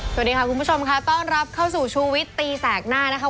สวัสดีค่ะคุณผู้ชมค่ะต้อนรับเข้าสู่ชูวิตตีแสกหน้านะคะ